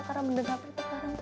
karena bener bener api terbarang